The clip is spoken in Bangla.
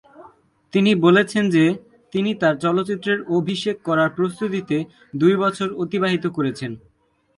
তিনি বলেছেন যে তিনি তার চলচ্চিত্রের অভিষেক করার প্রস্তুতিতে দুই বছর অতিবাহিত করেছেন।